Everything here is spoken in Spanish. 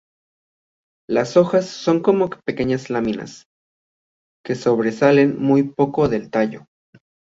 Las hojas son como pequeñas laminas, que sobresalen muy poco del tallo.